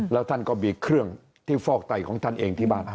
แล้วท่านก็มีเครื่องที่ฟอกไตของท่านเองที่บ้าน